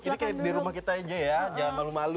ini kayak di rumah kita aja ya jangan malu malu